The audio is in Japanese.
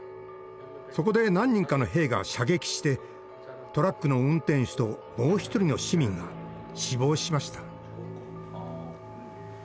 そこで何人かの兵が射撃してトラックの運転手ともう一人の市民が死亡しました。